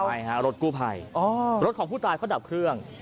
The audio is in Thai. ใช่ฮะรถกู้ภัยรถของผู้ตายเขาดับเครื่อง